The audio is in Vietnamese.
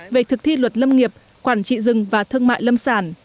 về thực thi luật lâm nghiệp quản trị rừng và thương mại lâm sản